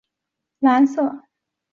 愈创木酚遇三氯化铁变为蓝色。